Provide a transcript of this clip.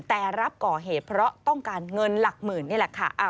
แต่รับก่อเหตุเพราะต้องการเงินหลักหมื่นนี่แหละค่ะ